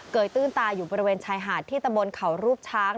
ยตื้นตาอยู่บริเวณชายหาดที่ตะบนเขารูปช้าง